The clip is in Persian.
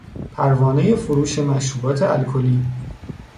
پروانهی فروش مشروبات الکلی